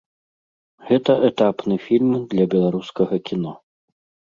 Гэта этапны фільм для беларускага кіно.